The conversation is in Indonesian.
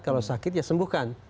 kalau sakit ya sembuhkan